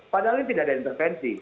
padahal ini tidak ada intervensi